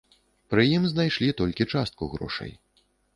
Пры ім знайшлі толькі частку грошай.